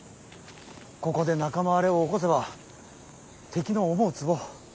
ここで仲間割れを起こせば敵の思うつぼ。